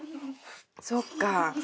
そっか。